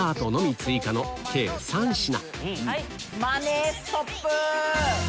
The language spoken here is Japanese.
マネーストップ！